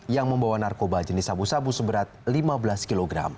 yang membawa narkoba jenis sabu sabu seberat lima belas kg